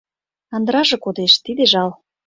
Кандыраже кодеш — тиде жал.